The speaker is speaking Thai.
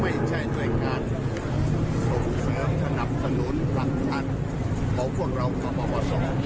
ไม่ใช่ในการส่งเสริมสนับสนุนสั่งชัดของพวกเราก็บ่อส่ง